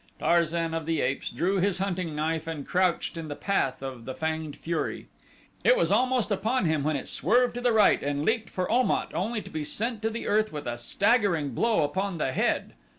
Tarzan of the Apes drew his hunting knife and crouched in the path of the fanged fury. It was almost upon him when it swerved to the right and leaped for Om at only to be sent to earth with a staggering blow upon the head.